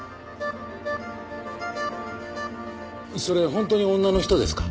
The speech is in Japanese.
本当に女の人ですか？